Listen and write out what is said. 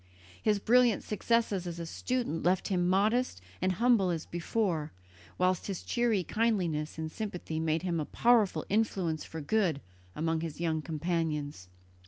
His brilliant successes as a student left him modest and humble as before, whilst his cheery kindliness and sympathy made him a powerful influence for good amongst his young companions.